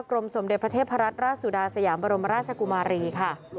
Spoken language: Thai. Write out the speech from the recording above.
สมเด็จพระเทพรัตนราชสุดาสยามบรมราชกุมารีค่ะ